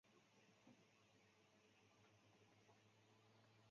但旋即又攻掠山南各地。